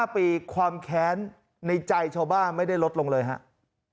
๕ปีความแค้นในใจชาวบ้านไม่ได้ลดลงเลยครับ